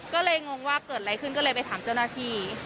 ก็เลยงงว่าเกิดอะไรขึ้นก็เลยไปถามเจ้าหน้าที่